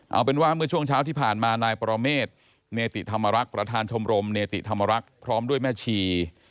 เอาเป็นว่าเมื่อช่วงเช้าที่ผ่านมานายปรเมษเนติธรรมรักษ์ประธานชมรมเนติธรรมรักษ์พร้อมด้วยแม่ชี